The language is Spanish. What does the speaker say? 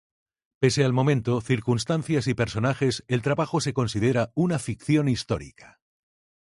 Pese al momento, circunstancias y personajes, el trabajo se considera una ficción histórica.